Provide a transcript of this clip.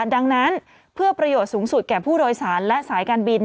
ดังนั้นเพื่อประโยชน์สูงสุดแก่ผู้โดยสารและสายการบิน